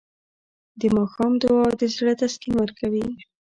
د ماښام دعا د زړه تسکین ورکوي.